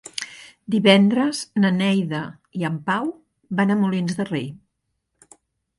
Divendres na Neida i en Pau van a Molins de Rei.